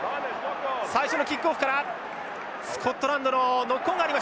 最初のキックオフからスコットランドのノックオンがありました。